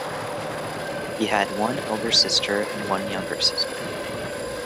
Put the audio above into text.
He had one elder sister and one younger sister.